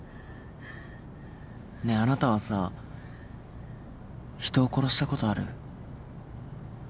ねえあなたはさ人を殺したことある？